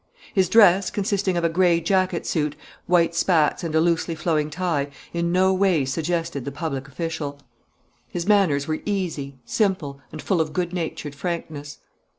His dress, consisting of a gray jacket suit, white spats, and a loosely flowing tie, in no way suggested the public official. His manners were easy, simple, and full of good natured frankness.